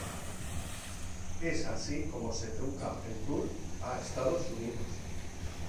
Es así como se trunca el tour a Estados Unidos.